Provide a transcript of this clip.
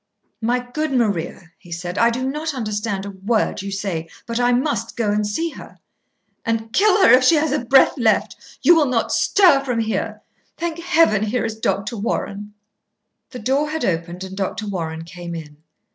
"My good Maria," he said, "I do not understand a word you say, but I must go and see her." "And kill her, if she has a breath left! You will not stir from here. Thank Heaven! here is Dr. Warren." The door had opened and Dr. Warren came in.